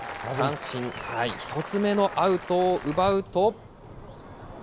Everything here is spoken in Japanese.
三振、１つ目のアウトを奪うと。